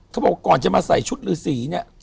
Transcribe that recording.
เขาบอกก่อนจะมาใส่ชุดฤษีเนี่ย